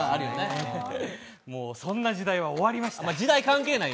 もうそんな時代は終わりました。